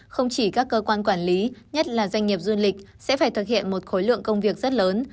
không chỉ các cơ quan quản lý nhất là doanh nghiệp du lịch sẽ phải thực hiện một khối lượng công việc rất lớn